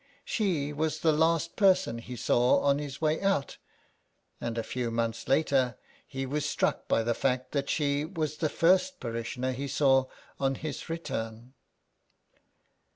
She was the last person he saw on his way out, and, a few months later, he was struck by the fact that she was the first parishioner he saw on his return.